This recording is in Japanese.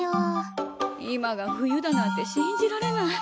今が冬だなんて信じられない。